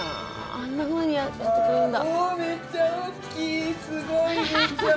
あんなふうにやってくれるんだ。